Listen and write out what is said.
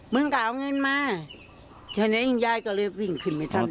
เมื่องกล่าวเงินมาฉะนั้นอิงยายก็เลยวิ่งขึ้นไปทางน้ำพรี